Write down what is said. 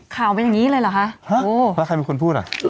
ข่าวเป็นอย่างนี้เลยเหรอคะโอ้แล้วใครเป็นคนพูดอ่ะ